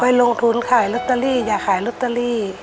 ลงทุนขายลอตเตอรี่อย่าขายลอตเตอรี่